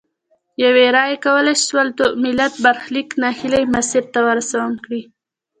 یوي رایې کولای سول ملت برخلیک نا هیلي مسیر ته ورسم کړي.